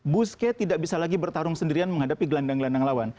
buske tidak bisa lagi bertarung sendirian menghadapi gelandang gelandang lawan